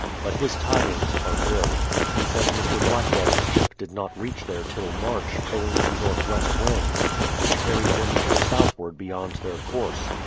But his tidings are ill. He says Mr. Blackwell's ship did not* reach there till March, owing to northwest winds, which carried them to the southward beyond their course.